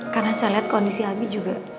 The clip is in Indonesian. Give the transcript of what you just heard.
karena saya lihat kondisi abi juga